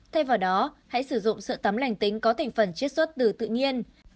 thay vào đó hãy sử dụng sữa tắm lành tính có thành phần chết xuất từ tự nhiên